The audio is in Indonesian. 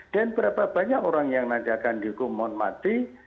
dan berapa banyak orang yang menandakan dihukum mati